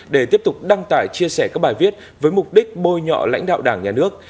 để tiếp tục đăng tải chia sẻ các bài viết với mục đích bôi nhọ lãnh đạo đảng nhà nước